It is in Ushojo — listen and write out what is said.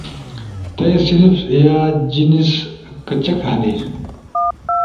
تھئی صنف یا جنس کچاک ہنی؟